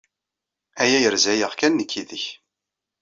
Aya yerza-aɣ kan nekk yid-k.